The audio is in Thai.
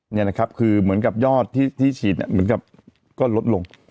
นี่นะครับคือเหมือนกับยอดที่ฉีดเหมือนกับก็ลดลง